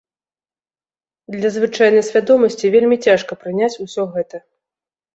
Для звычайнай свядомасці вельмі цяжка прыняць усё гэта.